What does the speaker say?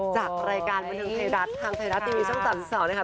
จากรายการบันเทิงไทยรัฐทางไทยรัฐทีวีช่อง๓๒นะคะ